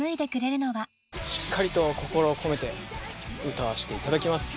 しっかりと心を込めて歌わしていただきます。